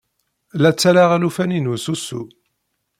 La ttarraɣ alufan-inu s usu.